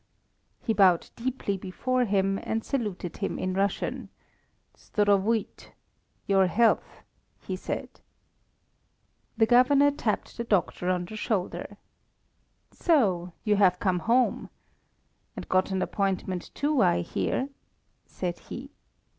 He bowed deeply before him, and saluted him in Russian "Zdorovuyte!" he said. [Footnote 21: "Your health!"] The Governor tapped the doctor on the shoulder. "So you have come home! And got an appointment too, I hear?" said he.